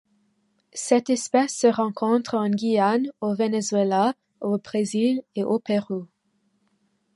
Cette espèce se rencontre en Guyane, au Venezuela, au Brésil et au Pérou.